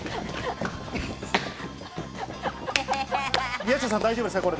宮下さん、大丈夫ですか？